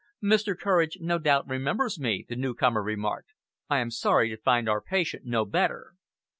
"Mr. Courage no doubt remembers me," the newcomer remarked. "I am sorry to find our patient no better."